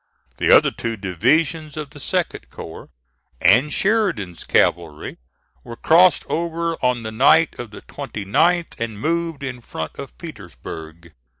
The other two divisions of the 2d corps and Sheridan's cavalry were crossed over on the night of the 29th and moved in front of Petersburg.